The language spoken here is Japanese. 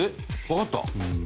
わかった？